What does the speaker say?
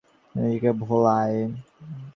কুমুদ বলিল, কী জানো জয়া, সবাই নিজেকে ভোলায়।